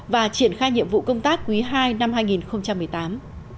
và triển khai nhiệm vụ công tác quý ii năm hai nghìn một mươi tám